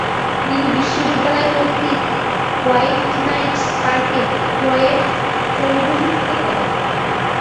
তিনি বিশ্ববিদ্যালয় কর্তৃক হোয়াইটনাইটস পার্ক ক্রয়ের পৌরোহিত্য করেন।